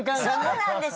そうなんです。